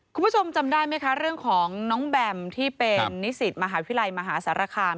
คุณผู้ชมจำได้ไหมคะเรื่องของน้องแบมที่เป็นนิสิตมหาวิทยาลัยมหาสารคาม